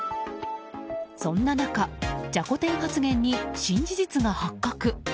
そんな中、じゃこ天発言に新事実が発覚。